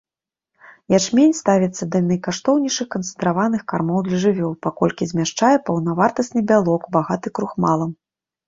Ячмень ставіцца да найкаштоўнейшых канцэнтраваных кармоў для жывёл, паколькі змяшчае паўнавартасны бялок, багаты крухмалам.